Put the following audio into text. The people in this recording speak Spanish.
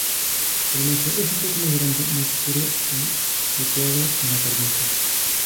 El macho es un poco más grande, más oscuro y veteado en apariencia.